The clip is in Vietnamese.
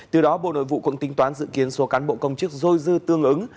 từ đó bộ nội vụ cũng tính toán dự kiến số cán bộ công chức dôi dư tương ứng